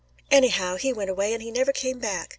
"Anyhow, he went away, and he never came back.